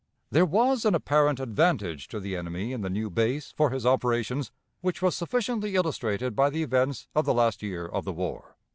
There was an apparent advantage to the enemy in the new base for his operations which was sufficiently illustrated by the events of the last year of the war.